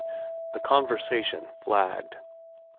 The conversation flagged.